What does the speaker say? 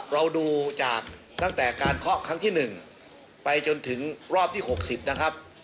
เราดูจากตั้งแต่การเคาะครั้งที่๑ไปจนถึงรอบที่๖๐นะครับ